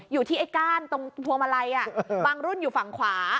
อยู่ที่ไอ้ก้านตรงพวงมาลัยบางรุ่นอยู่ฝั่งขวา